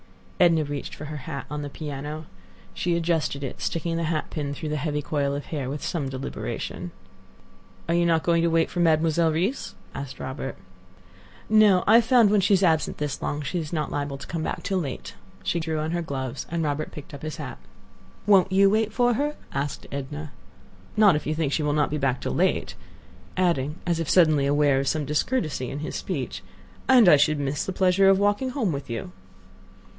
Edna reached for her hat on the piano. She adjusted it, sticking the hat pin through the heavy coil of hair with some deliberation. "Are you not going to wait for Mademoiselle Reisz?" asked Robert. "No; I have found when she is absent this long, she is liable not to come back till late." She drew on her gloves, and Robert picked up his hat. "Won't you wait for her?" asked Edna. "Not if you think she will not be back till late," adding, as if suddenly aware of some discourtesy in his speech, "and I should miss the pleasure of walking home with you."